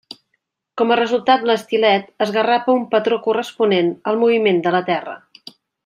Com a resultat l'estilet esgarrapa un patró corresponent al moviment de la Terra.